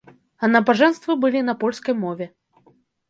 А набажэнствы былі на польскай мове.